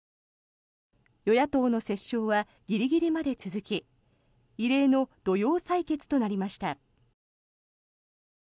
与野党の折衝はギリギリまで続き異例の土曜採決となりました。